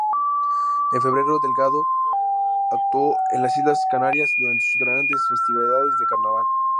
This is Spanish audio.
En febrero, Delgado actuó en las Islas Canarias durante sus grandes festividades de Carnaval.